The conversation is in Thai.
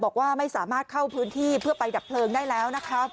บอกว่าไม่สามารถเข้าพื้นที่เพื่อไปดับเพลิงได้แล้วนะคะ